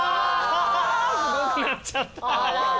すごくなっちゃったあららら